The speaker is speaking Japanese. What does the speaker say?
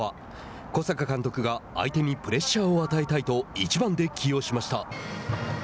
小坂監督が相手にプレッシャーを与えたいと１番で起用しました。